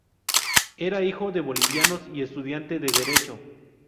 Era hijo de bolivianos y estudiante de derecho.